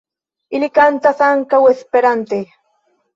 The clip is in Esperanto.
Li kantas ankaŭ Esperante.